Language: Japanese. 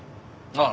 ああ。